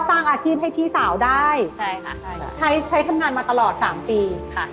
สร้างอาชีพให้พี่สาวได้ใช่ค่ะใช้ใช้ทำงานมาตลอดสามปีค่ะ